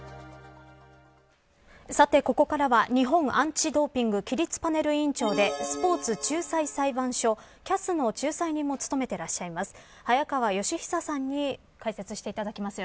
ここからは日本アンチ・ドーピング規律パネル委員長でスポーツ仲裁裁判所ＣＡＳの仲裁人も務めていらっしゃいます早川吉尚さんに解説していただきます。